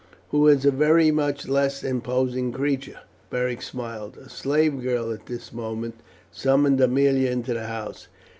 "Who is a very much less imposing creature," Beric smiled. A slave girl at this moment summoned Aemilia into the house.